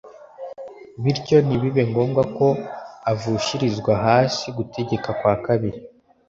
bityo ntibibe ngombwa ko avushirizwa hasi gutegeka kwa kabiri